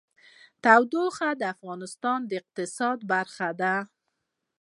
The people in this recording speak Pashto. تودوخه د افغانستان د اقتصاد برخه ده.